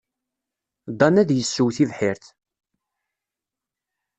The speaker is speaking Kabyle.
Dan ad yessew tibḥirt.